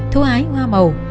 thu hái hoa màu